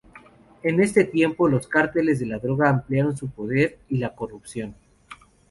En este tiempo, los cárteles de la droga ampliaron su poder y la corrupción.